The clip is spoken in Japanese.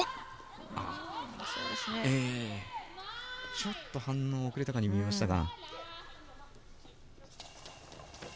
ちょっと反応遅れたかにも見えましたが。